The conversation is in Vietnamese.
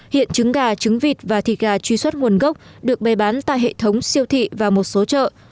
hiện trứng gà trứng vịt và thịt gà truy xuất nguồn gốc được bày bán tại hệ thống siêu thị và một số chợ